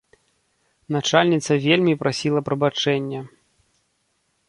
Начальніца вельмі прасіла прабачэння.